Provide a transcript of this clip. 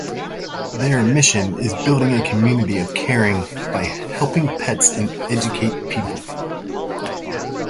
Their mission is building a community of caring by helping pets and educating people.